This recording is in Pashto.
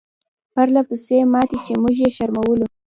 پرله پسې ماتې چې موږ یې شرمولو.